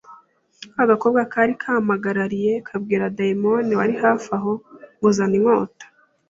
ka gakobwa kari kampagarikiye kabwira dayimoni wari hafi aho ngo zana inkota